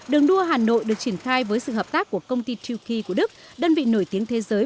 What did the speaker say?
đường đua hà nội được triển khai với sự hợp tác của công ty truki của đức đơn vị nổi tiếng thế giới